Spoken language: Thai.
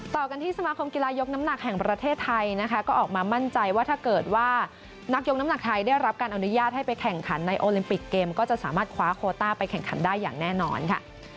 ต่อกันที่สมาคมกีฬายกน้ำหนักแห่งประเทศไทยนะคะก็ออกมามั่นใจว่าถ้าเกิดว่านักยกน้ำหนักไทยได้รับการอนุญาตให้ไปแข่งขันในโอลิมปิกเกมก็จะสามารถคว้าโคต้าไปแข่งขันได้อย่างแน่นอนค่ะ